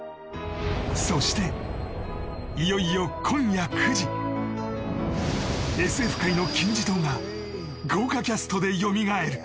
そしていよいよ今夜９時ＳＦ界の金字塔が豪華キャストでよみがえる！